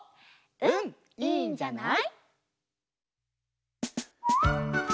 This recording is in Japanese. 「うん、いいんじゃない」。